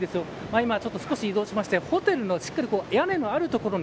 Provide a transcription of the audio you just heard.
今、少し移動してホテルのしっかり屋根のある所に